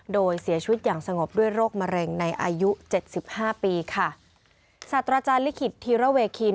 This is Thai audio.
โดยเสียชีวิตอย่างสงบด้วยโรคมะเร็งในอายุเจ็ดสิบห้าปีค่ะศาสตราจารย์ลิขิตธีระเวคิน